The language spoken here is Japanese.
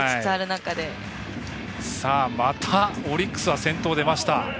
また、オリックスは先頭出ました。